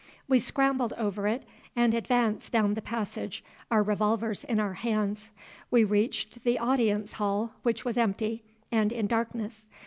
We scrambled over it, and advanced down the passage, our revolvers in our hands. We reached the audience hall, which was empty and in darkness.